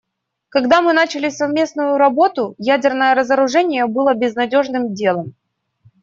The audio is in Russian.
Когда мы начинали совместную работу, ядерное разоружение было безнадежным делом.